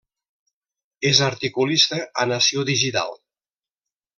És articulista a Nació Digital.